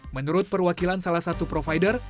menurut perwakilan salah satu provider